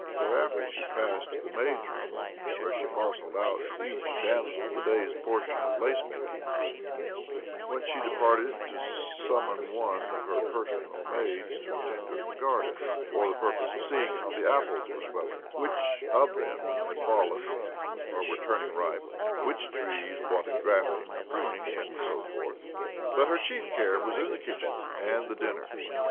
Thereafter she passed to the maids' room, where she parcelled out to each damsel the day's por OBLOMOV 97, tion of lacemaking ; whence she departed to summon one of her personal maids to attend her in the garden, for the purpose of seeing how the apples were swelling, which of them had fallen or were turning ripe, which trees wanted grafting or pruning, and so forth. But her chief care was the kitchen and the dinner.